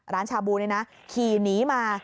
ชาบูนี่นะขี่หนีมา